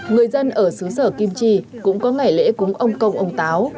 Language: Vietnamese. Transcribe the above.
người dân ở xứ sở kim trì cũng có ngày lễ cúng ông công ông táo